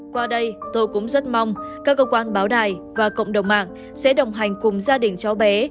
qua đây tôi cũng rất mong các cơ quan báo đài và cộng đồng mạng sẽ đồng hành cùng gia đình cháu bé